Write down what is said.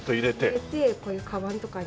入れてこういうカバンとかに。